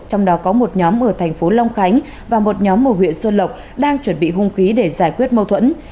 trong đó có một nhóm ở thành phố long khánh và một nhóm ở huyện xuân lộc đang chuẩn bị hung khí để giải quyết mâu thuẫn